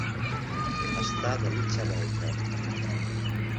Estar de mitja volta.